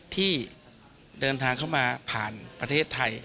ที่เดินทางเข้ามาผ่านประเทศไทย